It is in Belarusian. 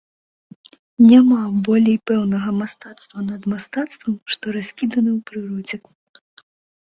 Няма болей пэўнага мастацтва над мастацтвам, што раскідана ў прыродзе.